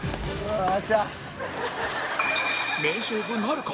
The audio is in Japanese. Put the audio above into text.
名勝負なるか？